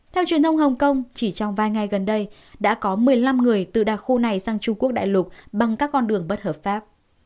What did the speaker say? theo truyền thông hồng kông chỉ trong vài ngày gần đây đã có một mươi năm người từ đặc khu này sang trung quốc đại lục bằng các con đường bất hợp pháp